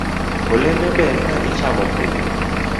Olembe ber ka ichamo pile